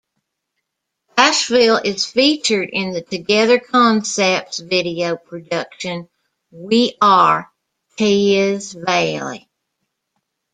Ashville is featured in the Together Concepts video production "We Are..Teays Valley".